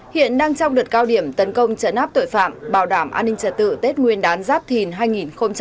hiện đang trong đợt cao điểm tấn công chấn áp tội phạm bảo đảm an ninh trật tự tết nguyên đán giáp thìn hai nghìn hai mươi bốn